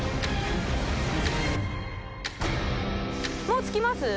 もう着きます？